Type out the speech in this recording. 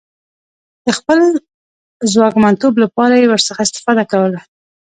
د خپل ځواکمنتوب لپاره یې ورڅخه استفاده کوله.